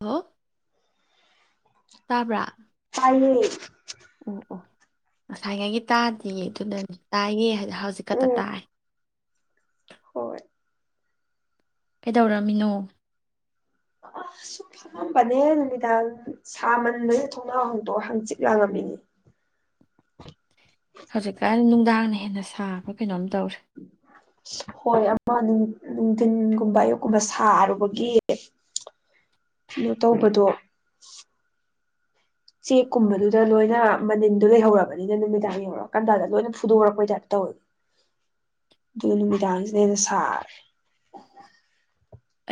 Hello ꯇꯥꯕ꯭ꯔꯥ ꯇꯥꯏꯌꯦ ꯑꯣ ꯑꯣ ꯉꯁꯥꯏꯉꯩꯒꯤ ꯇꯥꯗꯦ ꯑꯗꯨꯅꯅꯤ ꯇꯥꯏꯌꯦ ꯍꯥꯏꯗꯣ ꯍꯧꯖꯤꯛ ꯈꯛꯇ ꯎꯝ ꯇꯥꯏ꯫ ꯍꯣꯏ ꯀꯩꯗꯧꯔꯝꯃꯤꯅꯣ ꯐꯝꯃꯕꯅꯦ ꯅꯨꯃꯤꯗꯥꯡ ꯁꯥꯃꯟꯕꯗ ꯊꯣꯛꯅꯥꯎ ꯍꯥꯡꯗꯣꯛꯑ ꯍꯪꯆꯤꯛ ꯂꯥꯡꯉꯝꯃꯤꯅꯦ ꯍꯧꯖꯤꯛꯀꯥꯟ ꯅꯨꯡꯗꯥꯡꯅ ꯍꯦꯟꯅ ꯁꯥꯕ꯭ꯔ ꯀꯩꯅꯣꯝ ꯇꯧꯔꯦ꯫ ꯍꯣꯏ ꯑꯃ ꯅꯨꯡꯊꯤꯟꯒꯨꯝꯕ ꯑꯌꯨꯛꯀꯨꯝꯕ ꯁꯥꯔꯨꯕꯒꯤ ꯀꯩꯅꯣ ꯇꯧꯕꯗꯣ꯫ ꯆꯦꯛꯀꯨꯝꯕꯗꯨꯗ ꯂꯣꯏꯅ ꯃꯅꯤꯟꯗꯣ ꯂꯩꯍꯧꯔꯕꯅꯤꯅ ꯅꯨꯃꯤꯗꯥꯡ ꯌꯧꯔꯛꯑꯀꯥꯟꯗꯗ ꯂꯣꯏꯅ ꯐꯨꯗꯣꯔꯛꯄꯩ ꯇꯥꯏꯞꯇ ꯇꯧꯋꯦ ꯑꯗꯨ ꯅꯨꯃꯤꯗꯥꯡꯁꯤꯅ ꯍꯦꯟꯅ ꯁꯥꯔꯦ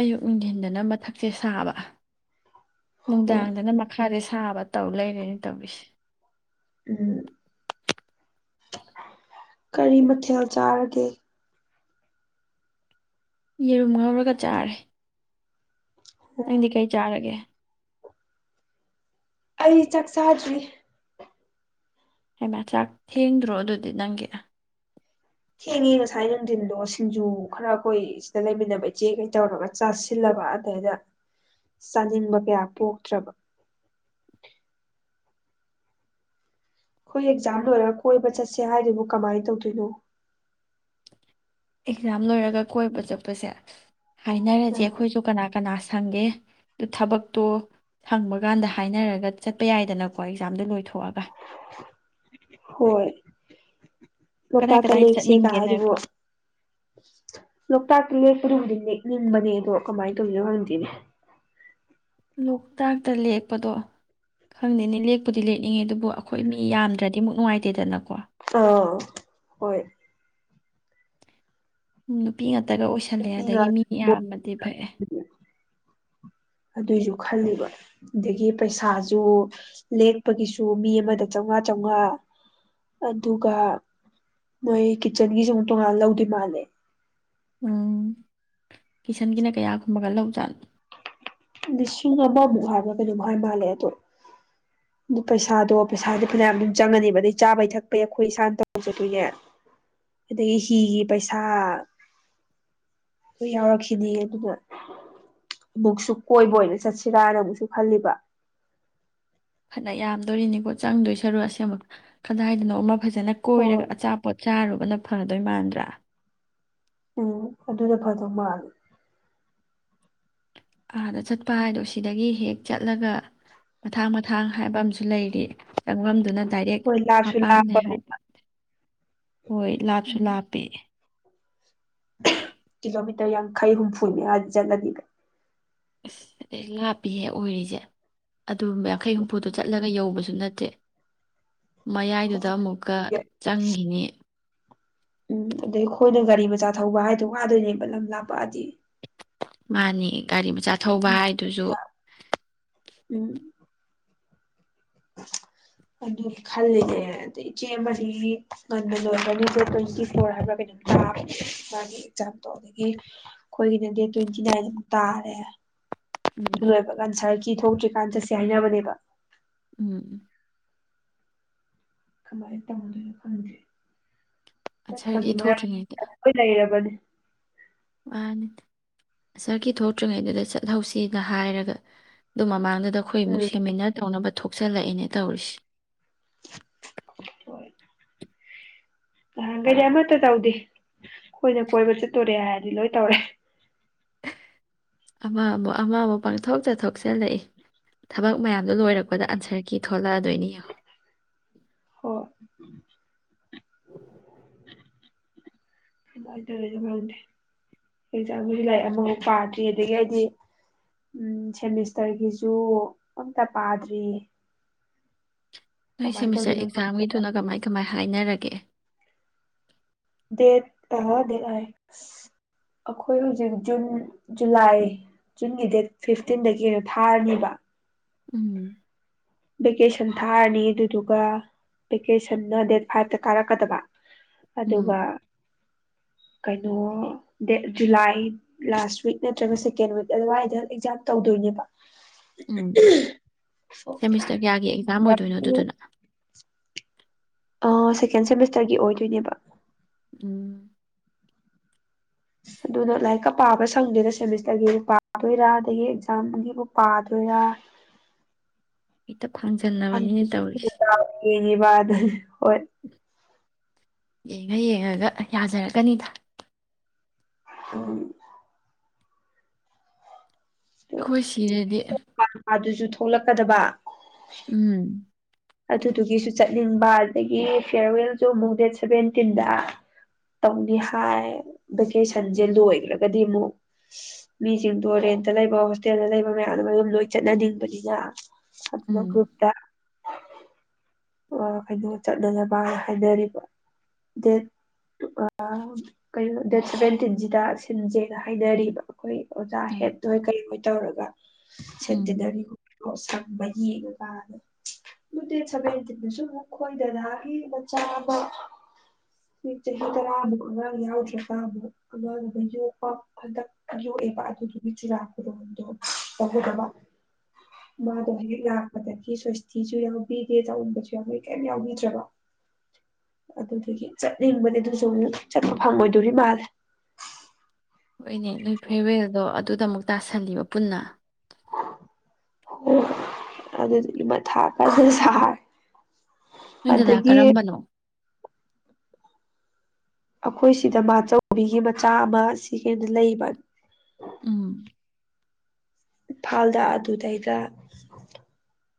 ꯑꯌꯨꯛ ꯅꯨꯡꯊꯤꯟꯗꯅ ꯃꯊꯛꯁꯦ ꯁꯥꯕ ꯍꯣꯏ ꯅꯨꯡꯗꯥꯡꯗꯅ ꯃꯈꯥꯗ ꯁꯥꯕ ꯇꯧ ꯂꯩꯔꯦꯅꯦ ꯇꯧꯔꯤꯁꯦ ꯎꯝ ꯀꯔꯤ ꯃꯊꯦꯜ ꯆꯥꯔꯒꯦ ꯌꯦꯔꯨꯝ ꯉꯧꯔꯒ ꯆꯥꯔꯦ꯫ ꯅꯪꯗꯤ ꯀꯩ ꯆꯥꯔꯒꯦ ꯑꯩ ꯆꯥꯛ ꯆꯥꯗ꯭ꯔꯤ꯫ ꯍꯩꯃ ꯆꯥꯛ ꯊꯦꯡꯗ꯭ꯔꯣ ꯑꯗꯨꯗꯤ ꯅꯪꯒꯤ ꯍꯦꯡꯉ ꯉꯁꯥꯏꯅ ꯅꯨꯡꯊꯤꯜꯗꯣ ꯁꯤꯡꯖꯨ ꯈꯔ ꯑꯩꯈꯣꯏ ꯁꯤꯗ ꯂꯩꯃꯤꯟꯅꯕ ꯏꯆꯦ ꯀꯩ ꯇꯧꯔꯒ ꯆꯥꯁꯤꯜꯂꯕ ꯑꯗꯩꯗ ꯆꯥꯅꯤꯡꯕ ꯀꯌꯥ ꯄꯣꯛꯇ꯭ꯔꯕ꯫ ꯑꯩꯈꯣꯏ ꯑꯦꯛꯖꯥꯝ ꯂꯣꯏꯔꯒ ꯀꯣꯏꯕ ꯆꯠꯁꯦ ꯏ ꯍꯥꯏꯔꯤꯕꯣ ꯀꯃꯥꯏꯅ ꯇꯧꯗꯣꯏꯅꯣ꯫ ꯑꯦꯛꯖꯥꯝ ꯂꯣꯏꯔꯒ ꯀꯣꯏꯕ ꯆꯠꯄꯁꯦ ꯍꯥꯏꯅꯔꯁꯦ ꯑꯩꯈꯣꯏꯁꯨ ꯀꯅꯥ ꯀꯅꯥ ꯁꯪꯒꯦ ꯑꯗꯨ ꯊꯕꯛꯇꯣ ꯁꯪꯕ ꯀꯥꯟꯗ ꯍꯥꯏꯅꯔꯒ ꯆꯠꯄ ꯌꯥꯏꯗꯅꯀꯣ ꯑꯦꯛꯖꯥꯝꯗꯣ ꯂꯣꯏꯊꯣꯛꯑꯒ꯫ ꯍꯣꯏ ꯀꯗꯥꯏ ꯂꯣꯛꯇꯥꯛꯇ ꯀꯗꯥꯏ ꯂꯦꯛꯁꯦ ꯀꯩꯏ ꯆꯠꯅꯤꯡꯒꯦ ꯍꯥꯏꯔꯤꯗꯨꯕꯨ ꯅꯣꯏꯕꯣ ꯂꯣꯛꯇꯥꯛꯇ ꯂꯦꯛꯞꯗꯨ ꯂꯦꯛꯅꯤꯡꯕꯅꯦ ꯑꯗꯣ ꯀꯃꯥꯏꯅ ꯇꯧꯗꯣꯏꯅꯣ ꯍꯪꯗꯦꯅꯦ꯫ ꯂꯣꯛꯇꯥꯛꯇ ꯂꯦꯛꯄꯗꯣ ꯈꯪꯗꯦꯅꯤ ꯂꯦꯛꯄꯨꯗꯤ ꯂꯦꯛꯅꯤꯡꯉꯦ ꯑꯗꯨꯕꯨ ꯑꯩꯈꯣꯏ ꯃꯤ ꯌꯥꯝꯗ꯭ꯔꯗꯤ ꯑꯃꯨꯛ ꯅꯨꯡꯉꯥꯏꯇꯦꯗꯅꯀꯣ꯫ ꯑꯥ ꯍꯣꯏ ꯅꯨꯄꯤ ꯉꯛꯇ꯫ ꯇꯒ ꯑꯣꯏꯁꯜꯂꯦ ꯅꯨꯄꯤ ꯑꯗꯒꯤ ꯃꯤ ꯌꯥꯝꯃꯗꯤ ꯐꯩ꯫ ꯉꯥꯛꯇꯅꯤ ꯑꯗꯨꯏꯁꯨ ꯈꯜꯂꯤꯕ ꯑꯗꯒꯤ ꯄꯩꯁꯥꯁꯨ ꯂꯦꯛꯄꯒꯤꯁꯨ ꯃꯤ ꯑꯃꯗ ꯆꯥꯝꯃꯉꯥ ꯆꯥꯝꯃꯉꯥ ꯑꯗꯨꯒ ꯃꯣꯏ ꯀꯤꯠꯆꯟꯒꯤꯁꯨ ꯑꯃꯨꯛ ꯇꯣꯉꯥꯟꯅ ꯂꯧꯗꯣꯏ ꯃꯥꯜꯂꯦ꯫ ꯎꯝ ꯀꯤꯆꯟꯒꯤꯅ ꯀꯌꯥꯒꯨꯝꯕꯒ ꯂꯧꯖꯥꯠꯅꯣ꯫ ꯂꯤꯁꯤꯡ ꯑꯃꯃꯨꯛ ꯍꯥꯏꯕ꯭ꯔꯥ ꯀꯩꯅꯣꯝꯃ ꯍꯥꯏ ꯃꯥꯜꯂꯦ ꯑꯗꯣ ꯑꯗꯨ ꯄꯩꯁꯥꯗꯣ ꯄꯩꯁꯥꯗꯤ ꯐꯅꯌꯥꯝ ꯑꯗꯨꯝ ꯆꯪꯉꯅꯤꯕ ꯑꯗꯩ ꯆꯥꯕꯩ ꯊꯛꯄꯩ ꯑꯩꯈꯣꯏ ꯏꯁꯥꯅ ꯇꯧꯖꯗꯣꯏꯅꯦ ꯑꯗꯒꯤ ꯍꯤꯒꯤ ꯄꯩꯁꯥ ꯑꯗꯨ ꯌꯥꯎꯔꯛꯈꯤꯅꯤ ꯑꯗꯨꯅ ꯑꯃꯨꯛꯁꯨ꯫ ꯀꯣꯏꯕ ꯑꯣꯏꯅ ꯆꯠꯁꯤꯔꯥꯅ ꯃꯨꯛꯁꯨ ꯈꯜꯂꯤꯕ꯫ ꯐꯅ ꯌꯥꯝꯗꯣꯔꯤꯅꯤꯀꯣ ꯆꯪꯗꯣꯏ ꯁꯔꯨ ꯑꯁꯕ ꯀꯗꯥꯏꯗꯅꯣ ꯑꯃ ꯐꯖꯅ ꯀꯣꯏꯔꯒ ꯍꯣꯏ ꯑꯆꯥꯄꯣꯠ ꯆꯥꯔꯨꯕꯅ ꯊꯗꯣꯏ ꯃꯥꯟꯗ꯭ꯔꯥ ꯎꯝ ꯑꯗꯨꯗ ꯐꯗꯧ ꯃꯥꯜꯂꯦ ꯑꯥꯗ ꯆꯠꯄ ꯍꯥꯏꯗꯣ ꯁꯤꯗꯒꯤ ꯍꯦꯛ ꯆꯠꯂꯒ ꯃꯊꯥꯡ ꯃꯊꯥꯡ ꯍꯥꯏꯕ ꯑꯃꯁꯝꯨ ꯂꯩꯔꯤ ꯆꯪꯉꯝꯗꯨꯅ ꯗꯥꯏꯔꯦꯛ ꯍꯣꯏ ꯂꯥꯞꯁꯨ ꯃꯄꯥꯟꯅꯦ ꯍꯥꯏꯕ ꯂꯥꯞꯄꯅꯤꯅ ꯍꯣꯏ ꯂꯥꯞꯁꯨ ꯂꯥꯞꯄꯦ ꯀꯤꯂꯣꯃꯤꯇꯔ ꯌꯥꯡꯈꯩ ꯍꯨꯝꯐꯨꯅꯦ ꯍꯥꯏ ꯆꯠꯂꯗꯤꯒ ꯑꯁ ꯑꯦ ꯉꯥꯞꯄꯤꯍꯦ ꯑꯣꯏꯔꯤꯁꯦ ꯑꯗꯨ ꯌꯥꯡꯈꯩ ꯍꯨꯝꯐꯨꯗꯣ ꯆꯠꯂꯒ ꯌꯧꯕꯁꯨ ꯅꯠꯇꯦ ꯃꯌꯥꯏꯗꯨꯗ ꯍꯣꯏ ꯑꯃꯨꯛꯀ ꯆꯪꯈꯤꯅꯤ ꯎꯝ ꯑꯗꯩ ꯑꯩꯈꯣꯏꯅ ꯒꯥꯔꯤ ꯃꯆꯥ ꯊꯧꯕ ꯍꯥꯏꯗꯣ ꯋꯥꯗꯣꯏꯅꯦꯕ ꯂꯝ ꯂꯥꯞꯄꯑꯗꯤ ꯃꯥꯅꯤ ꯒꯥꯔꯤ ꯃ ꯆꯥꯊꯧꯕ ꯍꯥꯏꯗꯨꯁꯨ ꯎꯝ ꯑꯗꯨ ꯈꯜꯂꯤꯅꯦ ꯑꯗꯩ ꯏꯆꯦ ꯑꯃ ꯉꯟꯕ ꯂꯣꯏꯒꯅꯤ ꯗꯦꯠ ꯇ꯭ꯋꯦꯟꯇꯤ ꯐꯣꯔ ꯍꯥꯏꯕ꯭ꯔꯥ ꯀꯩꯅꯣꯝ ꯂꯥꯞꯄꯦ ꯃꯥꯒꯤ ꯑꯦꯛꯖꯥꯝꯗꯣ ꯑꯗꯒꯤ ꯑꯩꯈꯣꯏꯒꯤꯅ ꯗꯦꯠ ꯇ꯭ꯋꯦꯟꯇꯤ ꯅꯥꯏꯟ ꯑꯗꯨ ꯇꯥꯔꯦ ꯎꯝ ꯑꯗꯨ ꯂꯣꯏꯕ ꯀꯟꯁꯔꯒꯤ ꯊꯣꯛꯇ꯭ꯔꯤꯀꯥꯟ ꯆꯠꯁꯦ ꯍꯥꯏꯅꯕꯅꯦꯕ ꯎꯝ ꯎꯝ ꯀꯃꯥꯏꯅ ꯇꯧꯗꯣꯏꯅꯣ ꯈꯪꯗꯔꯤ ꯆꯠꯄꯒꯤ ꯑꯟꯁꯔꯒꯤ ꯃꯔ ꯊꯣꯛꯇ꯭ꯔꯤꯉꯩꯗ ꯂ ꯂꯩꯔꯕꯗꯤ ꯑꯅꯤ ꯁꯥꯔꯒꯤ ꯊꯣꯛꯇ꯭ꯔꯤꯉꯩꯗꯨꯗ ꯆꯠꯍꯧꯁꯤꯅ ꯍꯥꯏꯔꯒ ꯑꯗꯨ ꯃꯃꯥꯡꯗ ꯗ ꯑꯩꯈꯣꯏ ꯑꯃꯨꯛ ꯎꯝ ꯁꯦꯃꯤꯟꯅꯔ ꯇꯧꯅꯕ ꯊꯣꯛꯆꯜꯂꯛꯑꯦꯅꯦ ꯇꯧꯔꯤꯁꯦ ꯍꯣꯏ ꯇꯍꯥꯟꯈꯩꯗꯤ ꯑꯃꯠꯇ ꯇꯧꯗꯦ ꯑꯩꯈꯣꯏꯅ ꯀꯣꯏꯕ ꯆꯠꯇꯣꯔꯦ ꯍꯥꯏꯔꯗꯤ ꯂꯣꯏ ꯇꯧꯔꯦ ꯑꯃ ꯑꯃꯨ ꯑꯃ ꯑꯃꯨꯛ ꯄꯥꯡꯊꯣꯛ ꯆꯠꯊꯣꯛ ꯆꯜꯂꯛꯏ ꯊꯕꯛ ꯃꯌꯥꯝꯗꯨꯣ ꯂꯣꯏꯔꯛꯄꯗ ꯑꯟꯁꯔ ꯀꯤ ꯊꯣꯛꯂꯛꯑꯗꯣꯏꯅꯤ ꯌꯦꯡꯉ ꯍꯣꯏ ꯑꯗꯨꯃꯥꯏꯅ ꯇ ꯂꯣꯏꯅ ꯈꯪꯗꯦ ꯑꯦꯛꯖꯥꯝꯒꯤꯁꯨ ꯂꯥꯏꯔꯤꯛ ꯑꯃꯐꯥꯎ ꯄꯥꯗ꯭ꯔꯤ ꯑꯗꯒꯤ ꯑꯩꯗꯤ ꯎꯝ ꯁꯦꯃꯤꯁꯇꯔꯒꯤꯁꯨ ꯑꯝꯇ ꯄꯥꯗ꯭ꯔꯤ ꯅꯣꯏ ꯀꯃꯥꯏꯅ ꯁꯦꯃꯤꯁꯇꯔ ꯇꯧꯗꯣꯏꯅꯣ ꯈꯪꯗꯦꯗ ꯑꯦꯛꯖꯥꯝꯒꯤꯗꯨꯅ ꯀꯃꯥꯏꯧ ꯀꯃꯥꯏ ꯍꯥꯏꯅꯔꯒꯦ ꯗꯦ ꯗ ꯑꯁ ꯑꯩꯈꯣꯏ ꯍꯧꯖꯤꯛ ꯖꯨꯟ ꯖꯨꯂꯥꯏ ꯖꯨꯟꯒꯤ ꯗꯦꯠ ꯐꯤꯐꯇꯤꯟꯗꯒꯤꯩꯅꯣ ꯊꯥꯔꯅꯦꯕ ꯎꯝ ꯚꯦꯀꯦꯁꯟ ꯊꯥꯔꯅꯤ ꯑꯗꯨꯗꯨꯒ ꯚꯦꯀꯦꯁꯟꯅ ꯗꯦꯠ ꯐꯥꯏꯚꯇ ꯀꯥꯔꯛꯀꯗꯕ ꯎꯝ ꯑꯗꯨꯒ ꯀꯩꯅꯣ ꯗꯦꯠ ꯖꯨꯂꯥꯏ ꯂꯥꯁ ꯋꯤꯛ ꯅꯠꯇ꯭ꯔꯒ ꯁꯦꯀꯦꯟ ꯋꯤꯛ ꯑꯗꯨꯋꯥꯏꯗ ꯑꯦꯛꯖꯥꯝ ꯇꯧꯗꯣꯏꯅꯦꯕ ꯎꯝ ꯁꯦꯃꯤꯁꯇꯔ ꯀꯌꯥꯒꯤ ꯑꯦꯛꯖꯥꯝ ꯑꯣꯏꯗꯣꯏꯅꯣ ꯑꯗꯨꯗꯨꯅ ꯁꯦꯀꯦꯟ ꯁꯦꯃꯤꯁꯇꯔꯒꯤ ꯑꯣꯏꯗꯣꯏꯅꯦꯕ ꯎꯝ ꯑꯗꯨꯅ ꯂꯥꯏꯔꯤꯛꯀ ꯄꯥꯕ ꯁꯪꯗꯦꯗ ꯁꯦꯃꯤꯁꯇꯔꯒꯤ ꯄꯥꯗꯣꯏꯔꯥ ꯑꯗꯒꯤ ꯑꯦꯛꯖꯥꯝꯒꯤꯕꯨ ꯄꯥꯗꯣꯏꯔꯥ ꯍꯦꯛꯇ ꯈꯥꯡꯖꯟꯅꯕꯅꯤꯅ ꯇꯧꯔꯤꯁꯦ ꯀꯒꯤꯕꯥꯗ ꯍꯣꯏ ꯌꯦꯡꯉ ꯌꯦꯡꯉꯒ ꯌꯥꯖꯔꯛꯀꯅꯤꯗ ꯍꯝ ꯑꯩꯈꯣꯏ ꯁꯤꯗꯗꯤ ꯑꯗꯨꯁꯨ ꯊꯣꯛꯂꯛꯀꯗꯕ ꯎꯝ ꯑꯗꯨꯗꯨꯒꯤꯁꯨ ꯆꯠꯅꯤꯡꯕ ꯑꯗꯒꯤ ꯐꯤꯌꯥꯔꯋꯦꯜꯁꯨ ꯑꯃꯨꯛ ꯗꯦꯠ ꯁꯚꯦꯟꯇꯤꯟꯗ ꯇꯧꯅꯤ ꯍꯥꯏ ꯚꯦꯀꯦꯁꯟꯁꯦ ꯂꯣꯏꯈ꯭ꯔꯒꯗꯤ ꯑꯃꯨꯛ ꯃꯤꯁꯤꯡꯗꯣ ꯔꯦꯟꯇ ꯂꯩꯕ ꯍꯣꯁꯇꯦꯜꯗ ꯂꯩꯕ ꯃꯌꯥꯝꯗ ꯑꯗꯨꯝ ꯂꯣꯏ ꯆꯠꯅꯅꯤꯡꯕꯅꯤꯅ ꯑꯗꯨꯗ ꯎꯝ ꯀꯛꯇꯦ ꯀꯩꯅꯣ ꯆꯠꯅꯅꯕꯅ ꯍꯥꯏꯅꯔꯤꯕ ꯗꯦꯠ ꯀꯩꯅꯣ ꯗꯦꯠ ꯁꯚꯦꯟꯇꯤꯟꯁꯤꯗ ꯁꯤꯟꯁꯦꯅ ꯍꯥꯏꯅꯔꯤꯕ ꯑꯩꯈꯣꯏ ꯑꯣꯖꯥ ꯎꯝ ꯍꯦꯠ ꯅꯣꯏ ꯀꯩꯣꯏ ꯇꯧꯔꯒ ꯎꯝ ꯁꯦꯠꯗꯤꯅꯔꯤ ꯑꯣꯁꯪꯕ ꯌꯦꯡꯉ ꯀꯥꯗ ꯑꯗꯨ ꯗꯦꯠ ꯁꯚꯦꯟꯇꯤꯟꯗꯁꯨ ꯃꯈꯣꯏ ꯗꯗꯥꯒꯤ ꯃꯆꯥ ꯑꯃ ꯆꯍꯤ ꯇꯔꯥꯃꯨꯛ ꯑꯉꯥꯡ ꯌꯥꯎꯗ꯭ꯔꯒꯃꯨꯛ ꯑꯒ ꯌꯣꯛꯄ ꯍꯟꯗꯛ ꯌꯣꯛꯑꯦꯕ ꯑꯗꯨꯗꯨꯒꯤ ꯆꯨꯔꯥꯄꯨꯔꯣꯟꯗꯣ ꯇꯧꯍꯗꯕ ꯃꯥ ꯑꯗꯨ ꯏ ꯂ ꯂꯥꯛꯄꯗ ꯁ꯭ꯋꯥꯁ ꯆꯊꯤꯁꯨ ꯌꯥꯎꯕꯤꯗꯦ ꯇꯥꯅꯤꯡꯕꯁꯨ ꯌꯥꯎ ꯀꯩꯝ ꯌꯥꯎꯕꯤꯗ꯭ꯔꯕ ꯑꯗꯨ ꯊꯦ ꯆꯠꯅꯤꯡꯕꯗꯤ ꯑꯗꯨ ꯁꯨꯝ ꯆꯠꯄ ꯐꯪꯉꯣꯏꯗꯣꯔꯤ ꯃꯥꯜꯂꯦ ꯍꯣꯏꯅꯦ ꯅꯣꯏ ꯐꯦꯔꯋꯦꯜꯗꯣ ꯑꯗꯨꯗ ꯑꯃꯨꯛ ꯇꯥꯁꯜꯂꯤꯕ ꯄꯨꯟꯅ ꯍ ꯑꯗꯨ ꯏꯃ ꯍꯥ ꯀꯁ ꯁ ꯏꯗꯗꯥꯛ ꯀꯔꯝꯕꯅꯣ ꯑꯩꯈꯣꯏ ꯁꯤꯗ ꯃꯥꯆꯧꯕꯤꯒꯤ ꯃꯆꯥ ꯑꯃ ꯁꯤ ꯀꯩꯅ ꯂꯩꯕ ꯎꯝ ꯏꯝꯐꯥꯜꯗ ꯑꯗꯨꯗꯩꯗ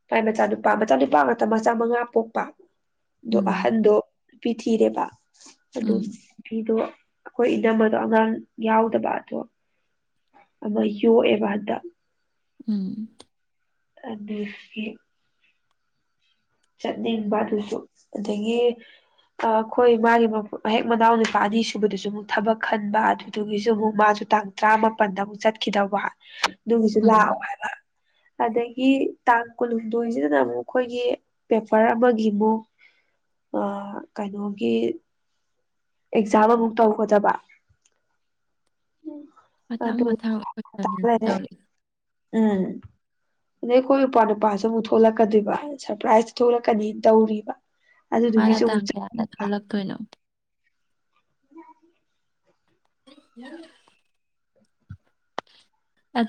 ꯐꯚꯥꯏ ꯃꯆꯥ ꯅꯨꯄꯥ ꯃꯆꯥ ꯅꯨꯄꯥ ꯃꯇꯝ ꯃꯆꯥ ꯃꯉꯥ ꯄꯣꯛꯄ ꯣ ꯎꯝ ꯑꯍꯟꯗꯣ ꯐ ꯊꯤꯔꯦꯕꯥ ꯑꯗꯨꯣ ꯎꯝ ꯑꯗꯨꯗꯣ ꯑꯩꯈꯣꯏ ꯏꯅꯝꯝꯕꯗꯣ ꯑꯉꯥꯡ ꯌꯥꯎꯗꯕ ꯑꯗꯣ ꯑꯃ ꯌꯣꯛꯑꯦꯕꯗ ꯎꯝ ꯑꯗꯨꯗ ꯆꯠꯅꯤꯡꯕ ꯑꯗꯨꯁꯨ ꯑꯗꯒꯤ ꯑ ꯑꯩꯈꯣꯏ ꯃꯥꯒꯤ ꯃ ꯃꯍꯦꯛ ꯃꯅꯥꯎ ꯅꯨꯄꯥ ꯑꯅꯤ ꯁꯨꯕꯗꯁꯨ ꯑꯃꯨꯛ ꯊꯕꯛ ꯈꯟꯕ ꯑꯗꯨꯗꯨꯒꯤꯁꯨ ꯑꯃꯨꯛ ꯃꯥꯁꯨ ꯇꯥꯡ ꯇꯔꯥꯃꯥꯄꯟꯗ ꯑꯃꯨꯛ ꯆꯠꯈꯤꯗꯧꯕ ꯑꯗꯨꯒꯤꯁꯨ ꯂꯥꯛꯑꯣ ꯎꯝ ꯍꯥꯏꯕ ꯑꯗꯗꯒꯤ ꯒꯤ ꯇꯥꯡ ꯀꯨꯟꯍꯨꯝꯗꯣꯏꯁꯤꯗꯅ ꯑꯃꯨꯛ ꯑꯩꯈꯣꯏꯒꯤ ꯄꯦꯄꯔ ꯑꯃꯒꯤꯃꯨꯛ ꯀꯩꯅꯣꯒꯤ ꯑꯦꯛꯖꯥꯝ ꯑꯃꯨꯛ ꯇꯧꯒꯗꯕ ꯃꯊꯪ ꯑꯗꯨ ꯇꯥ ꯃꯊꯪꯅꯤꯅ ꯂꯩꯔꯦ ꯇꯧꯔꯤ ꯎ ꯎꯝ ꯑꯗꯩ ꯑꯩꯈꯣꯏ ꯅꯨꯄꯥ ꯅꯨꯄꯥꯁꯨ ꯑꯃꯨꯛ ꯊꯣꯛꯂꯛꯀꯗꯣꯏꯕ ꯁꯔꯄ꯭ꯔꯥꯏꯖꯇ ꯊꯣꯛꯂꯛꯀꯅꯤꯅ ꯇꯧꯔꯤꯕ ꯃꯥꯅ ꯑꯗꯨꯗꯨꯒꯤꯁꯨ ꯑꯃꯨꯛ ꯇꯥꯡ ꯀꯌꯥꯗ ꯆꯠꯅꯤꯡꯕ ꯊꯣꯛꯂꯛꯇꯣꯏꯅꯣ ꯌꯥꯝ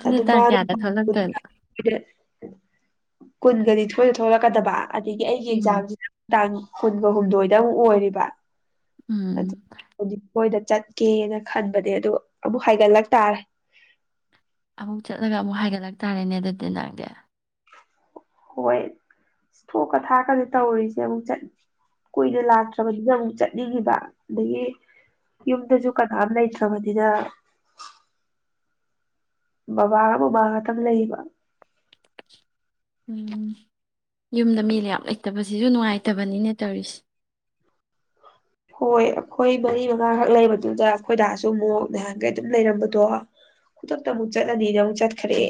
ꯑꯗꯨ ꯇꯥꯡ ꯀꯌꯥꯗ ꯊꯣꯛꯂꯛꯇꯣꯏꯅꯣ ꯔ ꯀꯨꯟꯒ ꯅꯤꯊꫭꯏꯗ ꯊꯣꯛꯂꯛꯀꯗꯕ ꯑꯗꯒꯤ ꯑꯩꯒꯤ ꯎꯝ ꯑꯦꯛꯖꯥꯝꯁꯤꯅ ꯅꯨꯡꯗꯥꯡ ꯀꯨꯟꯒ ꯍꯨꯝꯗꯣꯏꯗ ꯑꯃꯨꯛ ꯑꯣꯏꯔꯤꯕ ꯎꯝ ꯃꯣꯏꯗ ꯆꯠꯀꯦꯅ ꯈꯟꯕꯅꯦ ꯑꯗꯨ ꯑꯃꯨꯛ ꯍꯥꯏꯒꯠꯂꯛꯇꯥꯥꯔꯦ ꯑꯃꯨꯛ ꯆꯠꯂꯒ ꯑꯃꯨꯛ ꯍꯥꯏꯒꯠꯂꯛ ꯇꯥꯔꯦꯅꯦ ꯑꯗꯨꯗꯤ ꯅꯪꯗꯤ ꯍꯣꯏ ꯊꯣꯛꯀ ꯊꯥꯛꯀꯗꯤ ꯇꯧꯔꯔꯤꯁꯦ ꯑꯃꯨꯛ ꯀꯨꯏꯅ ꯂꯥꯛꯇ꯭ꯔꯕꯅꯤꯅ ꯑꯃꯨꯛ ꯆꯠꯅꯤꯡꯈꯤꯕ ꯑꯗꯒꯤ ꯌꯨꯗꯁꯨꯨ ꯀ ꯅꯝ ꯂꯩꯇꯔ꯭ꯦ ꯗꯤꯗ ꯕꯕꯥꯒ ꯕꯕꯥ ꯈꯛꯇ ꯂꯩꯌꯦꯕ ꯎꯝ ꯌꯨꯝꯗ ꯃꯤ ꯂꯩꯌꯥ ꯂꯩꯇꯕꯁꯤꯁꯨ ꯅꯨꯡꯉꯥꯏꯇꯕꯅꯤꯅꯦ ꯇꯧꯔꯤꯁꯦ ꯍꯣꯏ ꯑꯩꯈꯣꯏ ꯃꯔꯤ ꯃꯉꯥꯈꯛ ꯂꯩꯕꯗꯨꯗ ꯑꯩꯈꯣꯏꯗꯥꯁꯨ ꯑꯃꯨꯛ ꯅꯍꯥꯟꯈꯩ ꯑꯗꯨꯝ ꯂꯩꯔꯝꯕꯗꯣ ꯈꯨꯗꯛꯇ ꯑꯃꯨꯛ ꯆꯠꯂꯅꯤꯅ ꯑꯃꯨꯛ ꯆꯠꯈ꯭ꯔꯦ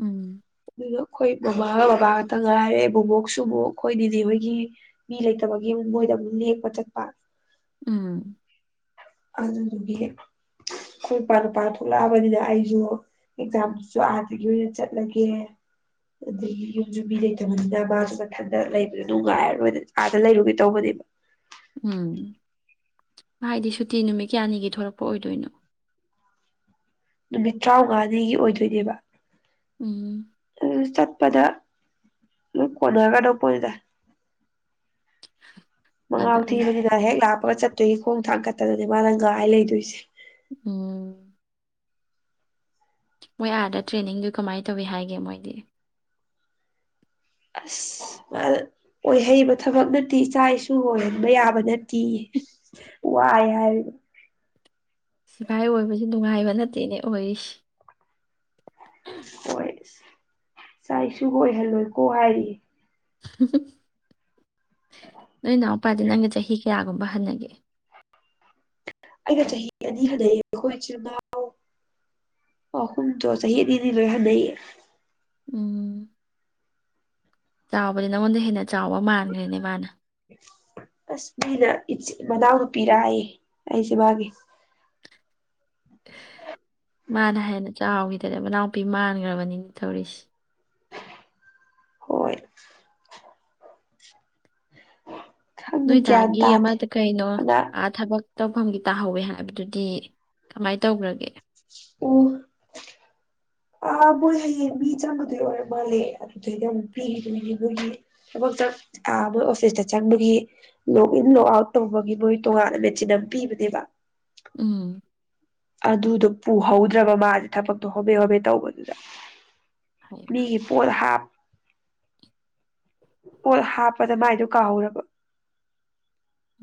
ꯎꯝ ꯑꯗꯨꯅ ꯑꯩꯈꯣꯏ ꯃꯃꯥꯒ ꯕꯕꯥꯒꯛꯇ ꯉꯥꯏꯔꯦꯕꯨ ꯃꯣꯛꯁꯨ ꯑꯃꯨꯛ ꯑꯩꯈꯣꯏꯗꯤꯗꯤ ꯍꯣꯏꯒꯤ ꯃꯤ ꯂꯩꯇꯕꯒꯤ ꯑꯃꯨꯛ ꯃꯣꯏꯗ ꯑꯃꯨꯛ ꯂꯦꯛꯄ ꯆꯠ ꯑꯥ ꯎꯝ ꯑꯗꯨꯗꯨꯒꯤ ꯑꯩꯈꯣꯏꯄꯥ ꯅꯨꯄꯥ ꯊꯣꯛꯂꯛꯑꯕꯅꯤꯗ ꯑꯩꯁꯨ ꯑꯦ ꯊꯁꯨ ꯍꯥꯒꯤ ꯌꯥꯦ ꯆꯠꯂꯒꯦ ꯑꯗꯒꯤ ꯌꯨꯝꯁꯨꯨꯝ ꯃꯤ ꯂꯩꯇꯕꯅꯤꯅ ꯃꯥꯁꯨ ꯃꯊꯟꯇ ꯂꯩꯕꯗ ꯅꯨꯡꯉꯥꯏꯔꯔꯣꯏꯗ ꯑꯥꯗ ꯂꯩꯔꯨꯒꯦ ꯇꯧꯕꯅꯦꯕ ꯎꯝ ꯍꯥꯏꯗꯤ ꯁꯨꯇꯤ ꯅꯨꯃꯤꯠ ꯀꯌꯥꯅꯤꯒꯤ ꯊꯂꯛꯄ ꯑꯣꯏꯗꯣꯏꯅꯣ ꯅꯨꯃꯤꯠ ꯇꯔꯥꯃꯉꯥꯅꯤꯒꯤ ꯑꯣꯏꯗꯣꯏꯅꯦꯕ ꯎꯝ ꯄꯗ ꯑꯗꯨꯝ ꯀꫭꯅ ꯈꫪꯄꫭꯅꯤꯗ [unintelligible] ꯃꯉꯥꯎ ꯑꯗ ꯊꯤꯕꯅꯤꯅ ꯍꯦꯛ ꯂꯥꯛꯄꯒ ꯆꯠ ꯑꯗꯒꯤ ꯈꯣꯡ ꯊꯥꯡ ꯀꯠꯇꯗꯅꯦ ꯃꯥꯅ ꯉꯥꯏ ꯂꯩꯗꯣꯏꯁꯦ ꯎꯝ ꯃꯣꯏ ꯑꯥꯗ ꯇ꯭ꯔꯦꯅꯤꯡꯗꯨ ꯀꯃꯥꯏꯅ ꯇꯧꯏꯤ ꯍꯥꯏꯒꯦ ꯃꯣꯏꯗꯤ ꯑꯁ ꯑꯣꯏꯍꯩꯕ ꯊꯕꯛ ꯅꯠꯇꯦ ꯏꯆꯥ ꯏꯁꯨ ꯑꯣꯏꯍꯟꯕ ꯌꯥꯕ ꯅꯠꯇꯦ ꯋꯥꯏ ꯍꯥꯏꯔꯤꯕ ꯁꯤꯐꯥꯏ ꯑꯣꯏꯕꯁꯦ ꯅꯨꯡꯉꯥꯏꯕ ꯅꯠꯇꯦꯅꯦ ꯑꯣꯏꯔꯤꯁꯤ ꯍꯣꯏ ꯆꯥꯏ ꯏꯁꯨ ꯑꯣꯏꯍꯜꯂꯣꯏꯀꯣ ꯍꯥꯏꯔꯤ ꯅꯣꯏ ꯏꯅꯥꯎꯄꯥꯗꯤ ꯅꯪꯒ ꯆꯍꯤ ꯀꯌꯥꯒꯨꯝꯕ ꯍꯟꯅꯒꯦ ꯑꯒ ꯆꯍꯤ ꯑꯅꯤ ꯍꯟꯅꯩꯌꯦ ꯑꯩꯈꯣꯏ ꯏꯆꯤꯤꯟꯜꯅꯥꯎ ꯑꯍꯨꯝꯗꯣ ꯆꯍꯤ ꯑꯅꯤꯅꯤ ꯂꯣꯏ ꯍꯟꯅꯩꯌꯦ ꯆꯥꯎꯥꯎꯕꯗꯤ ꯅ ꯃꯣꯟꯦ ꯍꯦꯅ ꯆꯥꯎꯕ ꯃꯥꯟꯈ꯭ꯔꯦꯅꯦ ꯃꯥꯅ ꯑꯁ ꯃꯤꯅ ꯏ ꯃꯅꯥꯎꯗꯨ ꯄꯤꯔꯛꯑꯌꯦꯦ ꯑꯩꯁꯦ ꯃꯥꯒꯤ ꯃꯥꯅ ꯍꯦꯟꯅ ꯆꯥꯎꯈꯤꯗꯅ ꯃꯅꯥꯎꯄꯤ ꯃꯥꯟꯈ꯭ꯔꯕꯅꯤꯅ ꯇꯧꯔꯤꯁꯤꯦ ꯍꯣꯏ ꯎ ꯅꯣꯏ ꯇꯒꯤꯦ ꯌꯥꯝꯃꯗꯨ ꯀꯥꯏꯩꯅꯣ ꯑꯗ ꯑ ꯊꯕ ꯇꯧꯐꯝꯒꯤ ꯇꯥꯍꯧꯋꯦ ꯍꯥꯏꯕꯗꯨꯗꯤ ꯀꯃꯥꯏꯅ ꯇꯧꯈ꯭ꯔꯒꯦ ꯑꯣ ꯑ ꯃꯣꯏ ꯍꯌꯦꯡ ꯃꯤ ꯆꯪꯕꯗꯨ ꯑꯣꯏꯔ ꯃꯥꯜꯂꯦ ꯑꯗꯨꯗꯩꯗꯤ ꯑꯃꯨꯛ ꯄꯤꯈꯤꯗꯣꯏꯅꯦ ꯃꯣꯏꯒꯤ ꯊꯕꯛꯇ ꯑ ꯃꯣꯏ ꯑꯣꯐꯤꯁꯇ ꯆꯪꯕꯒꯤ ꯂꯣꯛ ꯏꯟ ꯂꯣꯛ ꯑꯥꯎꯠ ꯇꯧꯕꯒꯤ ꯃꯣꯏ ꯇꯣꯉꯥꯟꯅ ꯃꯦꯆꯤꯟ ꯑꯃ ꯄꯤꯕꯅꯦꯕ ꯎꯝ ꯑꯗꯨꯗꯣ ꯄꯨꯍꯧꯗ꯭ꯔꯕ ꯃꯥꯁꯦ ꯊꯕꯛꯇꯣ ꯍꯣꯕꯦ ꯍꯣꯕꯦ ꯇꯧꯕꯗꯨꯗ ꯐꯩꯃ ꯃꯤꯒꯤ ꯄꯣꯗ ꯍꯥꯞ ꯄꯣꯠ ꯍꯥꯞꯄꯗ ꯃꯥꯏꯗꯣ ꯀꯥꯍꯧꯔꯕ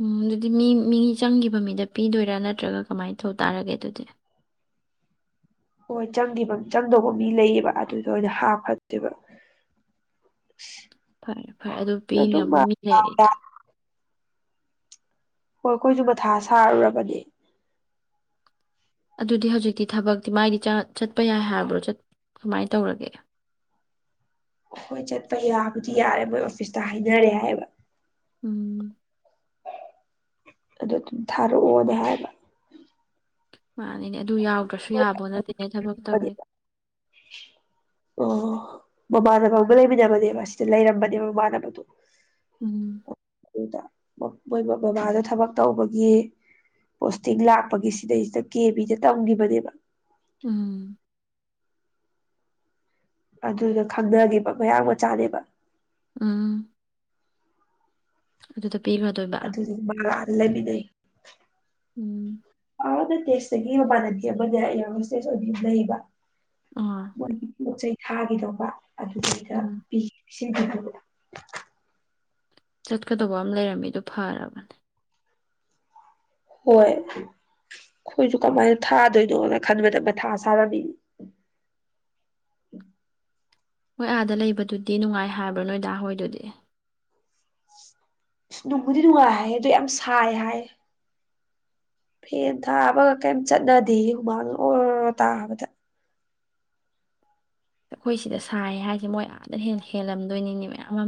ꯎꯝ ꯑꯗꯨꯗꯤ ꯃꯤ ꯃꯤ ꯆꯪꯈꯤꯕ ꯃꯤꯗ ꯄꯤꯗꯣꯏꯔꯥ ꯅꯠꯇ꯭ꯔꯒ ꯀꯃꯥꯏꯅ ꯇꯧ ꯇꯥꯔꯒꯦ ꯑꯗꯨꯗꯤ ꯍꯣꯏ ꯆꯪꯈꯤꯕ ꯆꯪꯗꯧꯕ ꯃꯤ ꯂꯩꯌꯦꯕ ꯑꯗꯨꯗꯣ ꯑꯣꯏꯅ ꯍꯥꯞꯐꯗꯦꯕ ꯐꯔꯦ ꯐꯔꯦ ꯑꯗꯨ ꯄꯤꯅꯕ ꯃꯥ ꯃꯤ ꯗꯥꯎ ꯂꯩꯔꯤꯗꯣ ꯗꯥꯎ ꯍꯣꯏ ꯑꯩꯈꯣꯏꯁꯨ ꯕꯊꯥ ꯁꯥꯔꯨꯔꯕꯅꯦ ꯑꯗꯨꯗꯤ ꯍꯧꯖꯤꯛꯇꯤ ꯊꯕꯛꯇꯤ ꯃꯥꯏꯗꯤ ꯆ ꯆꯠꯄ ꯌꯥꯏ ꯍꯥꯏꯕ꯭ꯔꯣꯠ ꯀꯃꯥꯏꯅ ꯇꯧꯔꯒꯦ ꯑꯩꯈꯣꯏ ꯆꯠꯄ ꯌꯥꯕꯨꯗꯤ ꯌꯥꯔꯦ ꯃꯣꯏ ꯑꯣꯐꯤꯁꯇ ꯍꯥꯏꯅꯔꯦ ꯍꯥꯏꯕ ꯎꯝ ꯑꯗꯨꯗꯣ ꯊꯔꯑꯣꯗ ꯍꯥꯏ ꯍ ꯑꯅꯤꯅꯦ ꯑꯗꯨ ꯌꯥꯎꯗ꯭ꯔꯁꯨ ꯌꯥꯕꯣ ꯅꯠꯇꯦꯅꯦ ꯊꯕꯛ ꯇꯋ ꯑꯣ ꯃꯃꯥꯟꯅꯕ ꯑꯃꯒ ꯂꯩꯃꯤꯟꯅꯕꯅꯦꯕ ꯁꯤꯗ ꯂꯩꯔꯝꯕꯅꯦꯕ ꯃꯃꯥꯟꯅꯕꯗꯣ ꯎꯝ ꯑꯗꯨꯗ ꯃꯣꯏ ꯃꯕꯕꯥꯥꯗ ꯊꯕꯛ ꯇꯧꯕꯒꯤ ꯄꯣꯁꯇꯤꯡ ꯂꯥꯛꯄꯒꯤ ꯁꯤꯗꯩꯁꯤꯗ ꯀꯦꯕꯤꯗ ꯇꯝꯈꯤꯕꯅꯦꯕ ꯎꯝ ꯑꯗꯨꯅ ꯈꯪꯅꯈꯤꯕ ꯃꯌꯥꯝ ꯃꯆꯥꯅꯦꯕ ꯑꯝ ꯑꯗꯨ ꯇ ꯑꯗꯨꯗꯤ ꯂꯩꯜ ꯂꯩꯕꯤꯗꯩ ꯎꯝ ꯑꯗ ꯇꯦꯁ ꯁꯤꯒꯤ ꯃꯃꯥꯟꯅꯕꯤ ꯑꯃꯗ ꯑꯁꯇꯦꯁ ꯑꯣꯏꯕꯤꯕ ꯂꯩꯕ ꯑꯥ ꯃꯣꯏꯒꯤ ꯄꯣꯠ ꯆꯩꯩ ꯊꯥꯈꯤꯗꯧꯕ ꯑꯗꯨꯗꯩꯗ ꯎꯝ ꯄꯤꯖꯤ ꯁꯤ [unintelligible] ꯆꯠꯀꯗꯧꯕ ꯑꯃ ꯂꯩꯔꯝꯃꯤꯗꯣ ꯑꯗꯨ ꯐꯔꯕꯅꯦ ꯍꯣꯏ ꯑꯩꯈꯣꯏꯁꯨ ꯀꯃꯥꯏꯅ ꯊꯥꯗꯣꯏꯅꯣꯅ ꯈꯟꯕꯗ ꯃꯊꯥ ꯁꯥꯔꯝꯃꯤꯅꯤ ꯍꯣꯏ ꯑꯥꯗ ꯂꯩꯕꯗꯨꯗꯤ ꯅꯨꯡꯉꯥꯏ ꯍꯥꯏꯕ꯭ꯔꯣ ꯅꯣꯏꯗꯥ ꯍꯣꯏꯗꯨꯗꯤ ꯅꯨꯡꯗꯤ ꯅꯨꯡꯉꯥꯏ ꯍꯥꯏ ꯑꯗꯨ ꯌꯥꯝ ꯁꯥꯏ ꯍꯥꯏ ꯐꯦꯟ ꯊꯥꯕꯒ ꯀꯩꯝ ꯆꯠꯅꯗꯦ ꯍꯨꯃꯥꯡ ꯑꯣꯔ ꯇꯥꯕꯗ ꯑꯩꯈꯣꯏ ꯁꯤꯗ ꯁꯥꯏ ꯍꯥꯏꯔꯤꯁꯦ ꯃꯣꯏ ꯑꯗꯅ ꯍꯦꯟꯅ ꯍꯦꯜꯂꯝꯗꯣꯏꯅꯤꯅꯦ ꯃꯌꯥꯝ ꯑꯃ